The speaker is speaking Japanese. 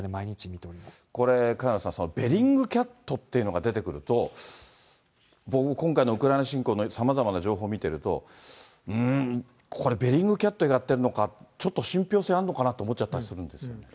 これ、萱野さん、ベリングキャットっていうのが出てくると、僕も今回のウクライナ侵攻のさまざまな情報を見てると、うーん、これ、ベリングキャットがやってるのか、ちょっと信ぴょう性あるのかなと、思っちゃったりするんですよね。